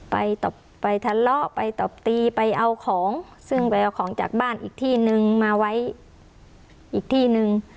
ไปทะเลาะไปตบตีไปเอาของซึ่งไปเอาของจากบ้านอีกที่นึงมาไว้อีกที่นึง